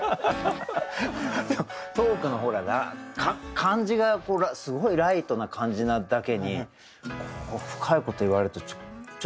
トークのほら感じがすごいライトな感じなだけに深いことを言われるとちょっと響きますよね